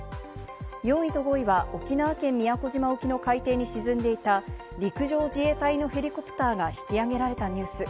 ４位と５位は沖縄県宮古島沖の海底に沈んでいた陸上自衛隊のヘリコプターが引き揚げられたニュース。